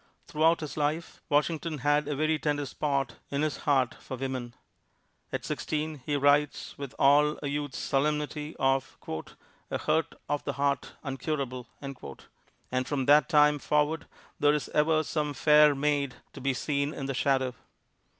Throughout his life Washington had a very tender spot in his heart for women. At sixteen, he writes with all a youth's solemnity of "a hurt of the heart uncurable." And from that time forward there is ever some "Faire Mayde" to be seen in the shadow.